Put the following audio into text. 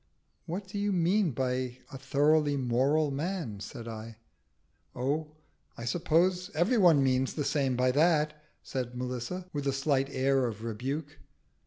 "What do you mean by a thoroughly moral man?" said I. "Oh, I suppose every one means the same by that," said Melissa, with a slight air of rebuke.